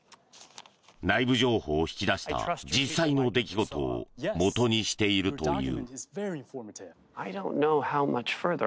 内部情報を引き出した実際の出来事をもとにしているという。